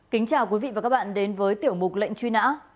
kính chào quý vị và các bạn đến với tiểu mục lệnh truy nã